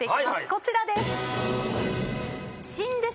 こちらです。